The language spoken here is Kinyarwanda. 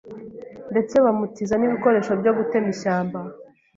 ndetse bamutiza n'ibikoresho byo gutema ishyamba